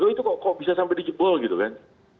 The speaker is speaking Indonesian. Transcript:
itu kok bisa sampai dijebol gitu kan